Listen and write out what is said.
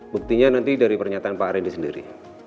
buktinya nanti dari pernyataan pak rendy sendiri